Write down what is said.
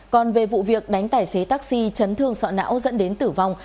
còn về vụ việc đánh tài xế taxi chấn thương sọ não dẫn đến tử vong